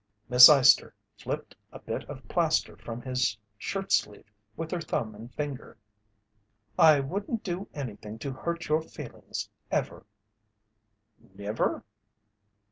Miss Eyester flipped a bit of plaster from his shirtsleeve with her thumb and finger. "I wouldn't do anything to hurt your feelings, ever." "Never?"